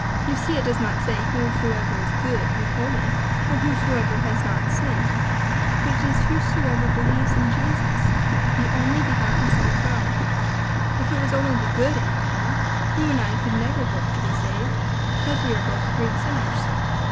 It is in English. You see it does not say whosoever is good and holy, or whosoever has not sinned, but it is whosoever believes in Jesus, the only begotten Son of God. If it was only the good, Aunt Dinah, you and I could never hope to be saved, because we are both great sinners."